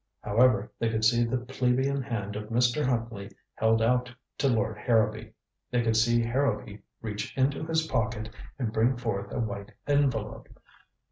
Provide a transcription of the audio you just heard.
However, they could see the plebeian hand of Mr. Huntley held out to Lord Harrowby. They could see Harrowby reach into his pocket, and bring forth a white envelope.